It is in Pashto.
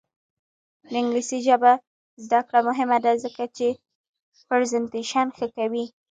د انګلیسي ژبې زده کړه مهمه ده ځکه چې پریزنټیشن ښه کوي.